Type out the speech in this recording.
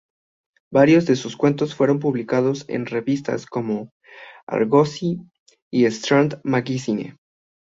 Varios de sus cuentos fueron publicados en revistas como "Argosy" y "Strand Magazine".